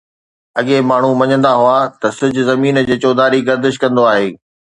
اڳي ماڻهو مڃيندا هئا ته سج زمين جي چوڌاري گردش ڪندو آهي.